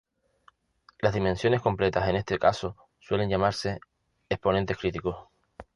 Las dimensiones completas en este caso suelen llamarse exponentes críticos.